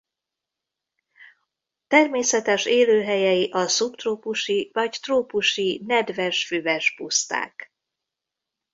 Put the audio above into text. Természetes élőhelyei a szubtrópusi vagy trópusi nedves füves puszták.